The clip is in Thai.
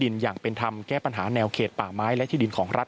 และปัญหาแนวเขตป่าไม้และที่ดินของรัฐ